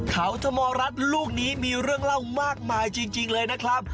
เขาธมรัฐลูกนี้มีเรื่องเล่ามากมายจริงเลยนะครับ